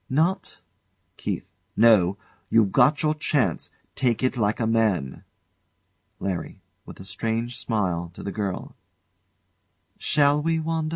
Not? KEITH. No. You've got your chance. Take it like a man. LARRY. [With a strange smile to the girl] Shall we, Wanda?